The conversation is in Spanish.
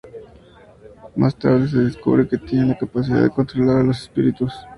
Más tarde se descubre que tiene la capacidad de controlar a los espíritus.